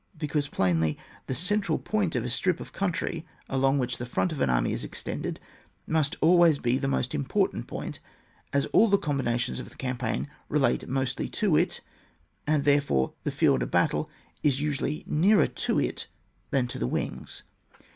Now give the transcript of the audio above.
Because plainly the central point of a strip of country along which the front of an army is extended must always be the most important point, as all ^'^ combinations of the campaign relate mostly to it, and therefore the field of battle is also usually nearer to it than to the wings.